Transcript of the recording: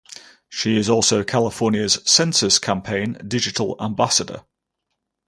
She is also California’s Census Campaign Digital Ambassador.